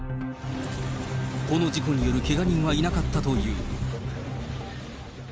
この事故によるけが人はいなかったという。